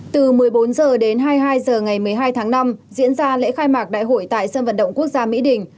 từ một mươi bốn h đến hai mươi hai h ngày một mươi hai tháng năm diễn ra lễ khai mạc đại hội tại sân vận động quốc gia mỹ đình